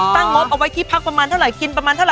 ตั้งงบเอาไว้ที่ภังประมาณเท่าไหร่